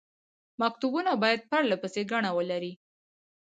مکتوبونه باید پرله پسې ګڼه ولري.